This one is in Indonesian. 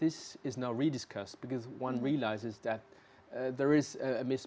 ini sekarang diperbincangkan karena kita merasakan